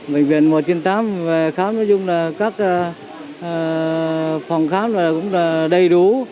bệnh viện một trăm chín mươi tám khám nói chung là các phòng khám cũng đầy đủ